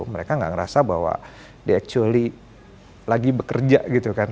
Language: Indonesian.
mereka gak ngerasa bahwa the actually lagi bekerja gitu kan